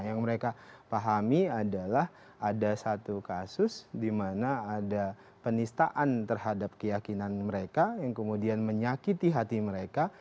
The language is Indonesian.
yang mereka pahami adalah ada satu kasus di mana ada penistaan terhadap keyakinan mereka yang kemudian menyakiti hati mereka